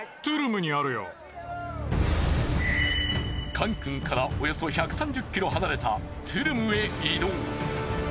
カンクンからおよそ１３０ｋｍ離れたトゥルムへ移動。